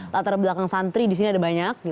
latar belakang santri di sini ada banyak